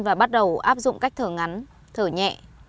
và bắt đầu áp dụng cách thở ngắn thở nhẹ